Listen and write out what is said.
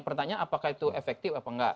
pertanyaan apakah itu efektif apa enggak